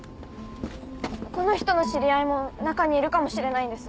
この人の知り合いも中にいるかもしれないんです。